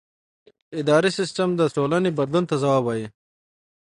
اداري سیستم د ټولنې بدلون ته ځواب وايي.